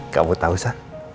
kamu tahu sa